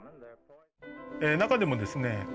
中でもですね